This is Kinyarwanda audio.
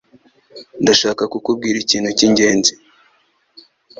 Ndashaka kukubwira ikintu cyingenzi.